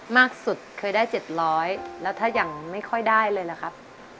มากสุดเคยได้๗๐๐แล้วถ้ายังไม่ค่อยได้เลยล่ะครับ